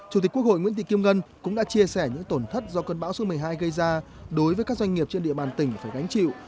chủ tịch quốc hội nguyễn thị kim ngân cũng đã chia sẻ những tổn thất do cơn bão số một mươi hai gây ra đối với các doanh nghiệp trên địa bàn tỉnh phải gánh chịu